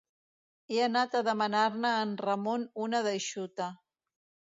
He anat a demanar-ne a en Ramon una d'eixuta